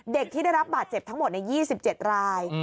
ที่ได้รับบาดเจ็บทั้งหมด๒๗ราย